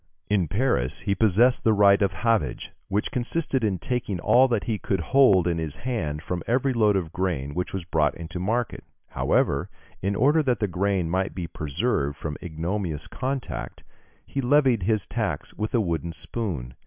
In Paris, he possessed the right of havage, which consisted in taking all that he could hold in his hand from every load of grain which was brought into market; however, in order that the grain might be preserved from ignominious contact, he levied his tax with a wooden spoon.